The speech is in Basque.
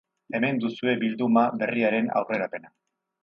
Hemen duzue bilduma berriaren aurrerapena.